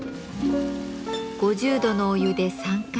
５０度のお湯で３回。